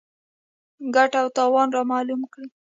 ګټه او تاوان رامعلوم کړي.